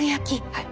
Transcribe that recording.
はい。